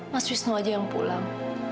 mas wisnu aja yang pulang